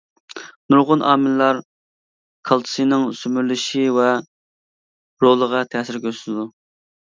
نۇرغۇن ئامىللار كالتسىينىڭ سۈمۈرۈلۈشى ۋە رولىغا تەسىر كۆرسىتىدۇ.